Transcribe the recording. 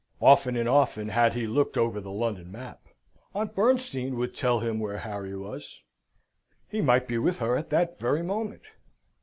Often and often had he looked over the London map. Aunt Bernstein would tell him where Harry was. He might be with her at that very moment.